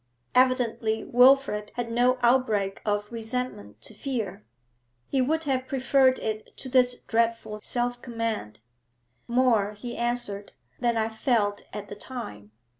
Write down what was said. Evidently Wilfrid had no outbreak of resentment to fear. He would have preferred it to this dreadful self command. 'More,' he answered, 'than I felt at the time.